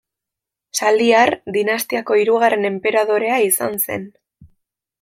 Saliar dinastiako hirugarren enperadorea izan zen.